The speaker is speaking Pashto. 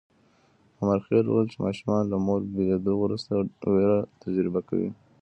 امرخېل وویل چې ماشومان له مور بېلېدو وروسته وېره تجربه کوي.